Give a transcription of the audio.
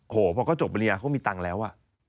โอ้โฮพอเขาจบปริญญาเขามีตังค์แล้ว